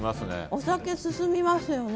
お酒進みますよね。